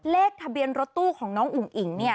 เลขทะเบียนรถตู้ของน้องอุ๋งอิ๋ง